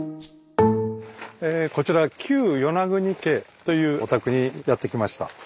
こちら旧与那国家というお宅にやって来ました。